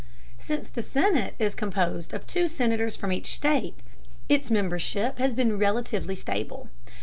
Since the Senate is composed of two Senators from each state, its membership has been relatively stable.